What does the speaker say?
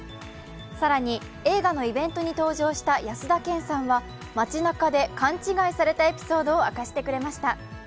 更に、映画のイベントに登場した安田顕さんは町なかで勘違いされたエピソードを明かしてくれました。